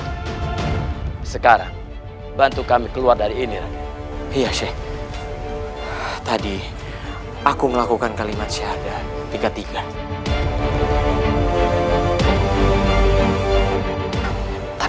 aku tidak bisa melakukannya